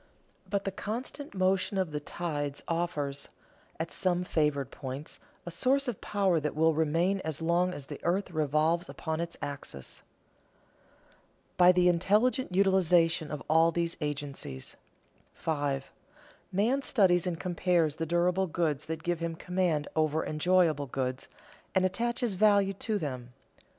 But the constant motion of the tides offers, at some favored points, a source of power that will remain as long as the earth revolves upon its axis. [Sidenote: By the intelligent utilization of all these agencies] 5. _Man studies and compares the durable goods that give him command over enjoyable goods, and attaches value to them.